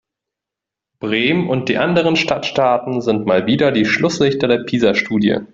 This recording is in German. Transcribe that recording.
Bremen und die anderen Stadtstaaten sind mal wieder die Schlusslichter der PISA-Studie.